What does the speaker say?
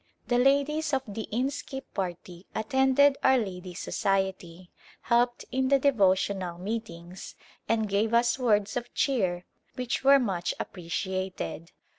The ladies of the Inskip party attended our Ladies' Society, helped in the devotional meetings, and gave us words of cheer which were much appreciated.